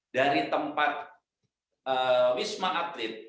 dari tempat wisma atlet